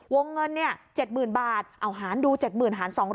วงเงิน๗๐๐๐บาทเอาหารดู๗๐๐หาร๒๐๐